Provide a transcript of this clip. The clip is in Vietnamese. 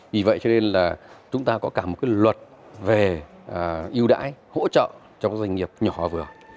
vì vậy cho nên là chúng ta có cả một cái luật về yêu đáy hỗ trợ cho doanh nghiệp nhỏ và vừa